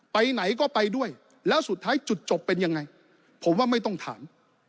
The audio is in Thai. ไปไหนก็ไปด้วยแล้วสุดท้ายจุดจบเป็นยังไงผมว่าไม่ต้องถาม